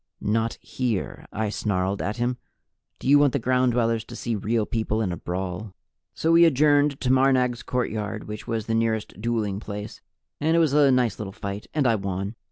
"Not here!" I snarled at him. "Do you want the Ground Dwellers to see Real People in a brawl?" So we adjourned to Marnag's courtyard, which was the nearest dueling place, and it was a nice little fight, and I won.